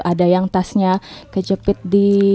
ada yang tasnya kejepit di